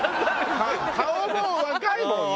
顔も若いもんね。